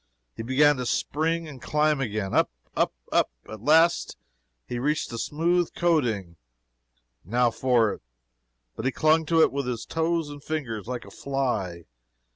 He began to spring and climb again. Up, up, up at last he reached the smooth coating now for it. But he clung to it with toes and fingers, like a fly.